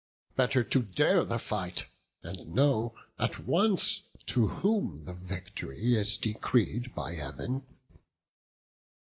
Better to dare the fight, and know at once To whom the vict'ry is decreed by Heav'n."